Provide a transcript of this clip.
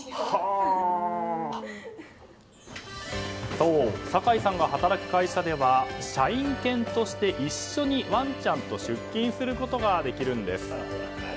そう、酒井さんが働く会社では社員犬として一緒にワンちゃんと出勤することができるんです。